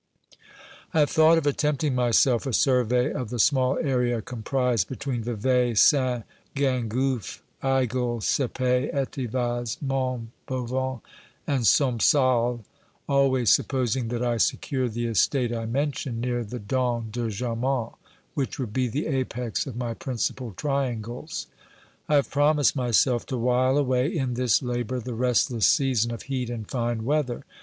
I have thought of attempting myself a survey of the small area comprised between Vevey, Saint Gingouph, Aigle, Sepey, Etivaz, Mont bovon and Sempsales, always supposing that I secure the estate I mention, near the Dent de Jamant, which would be the apex of my principal triangles. I have promised myself to while away in this labour the restless season of heat and fine weather.